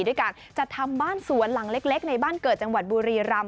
ด้วยการจัดทำบ้านสวนหลังเล็กในบ้านเกิดจังหวัดบุรีรำ